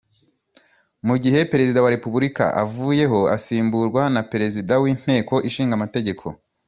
Mu gihe Perezida wa Repubulika avuyeho asimburwa na perezida w’inteko ishinga mategeko